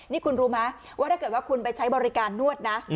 นี่คุณรู้ไหมว่าถ้าเกิดว่าคุณไปใช้บริการนวดนะ